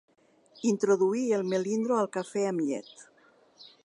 Introduir el melindro al cafè amb llet.